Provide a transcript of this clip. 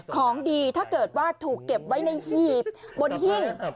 ของดีถ้าเกิดว่าถูกเก็บไว้ในหีบบนหิ้ง